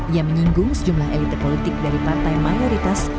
ia menyinggung sejumlah elit politik dari partai mayoritas